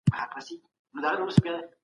د کتاب لوستلو سيالۍ جوړې کړئ.